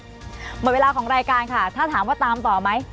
หมดเวลาของรายการค่ะถ้าถามว่าตามต่อไหม